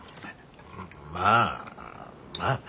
まあまあな。